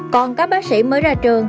còn các bác sĩ mới ra trường